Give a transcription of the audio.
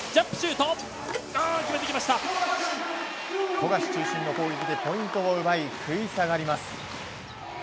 富樫中心の攻撃でポイントを奪い食い下がります。